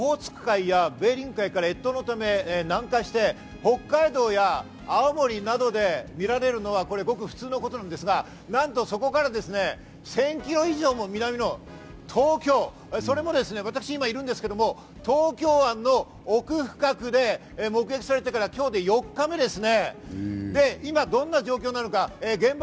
本来ならばですね、オホーツク海、ベーリング海から越冬のため南下して、北海道や青森なので見られるのはごく普通のことなんですがね、なんと、そこから１０００キロ以上南の東京、それもですね、私、いるんですけれども、東京湾の奥深くで目撃されてから、今日で４日目ですね。